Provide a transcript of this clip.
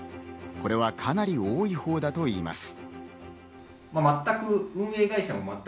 これはかなり多いほうだといいます。